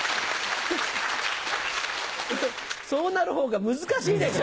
そうなる方が難しいでしょ！